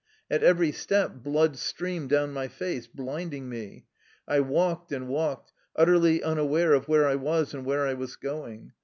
At every step blood streamed down my face, blinding me. I walked and walked, utterly unaware of where I was and where I was going.